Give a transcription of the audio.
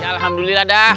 ya alhamdulillah dah